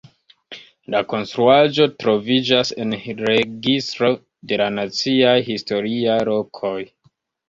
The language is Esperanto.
La konstruaĵo troviĝas en registro de la Naciaj Historiaj Lokoj.